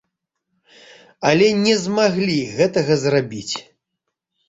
Але не змаглі гэтага зрабіць.